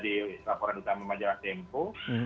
di laporan utama majalah tempo